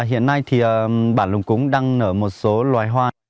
hiện nay thì bản lùng cúng đang nở một số loài hoa